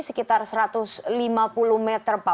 sekitar satu ratus lima puluh meter pak